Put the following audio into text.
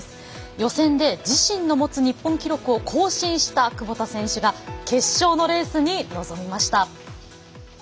予選で自身の持つ日本記録を更新した窪田選手が決勝のレースに臨みました。